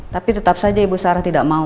tapi tetap saja ibu sarah tidak mau